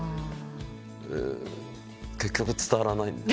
結局伝わらない。